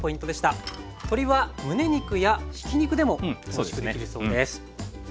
鶏は胸肉やひき肉でもおいしくできるそうです。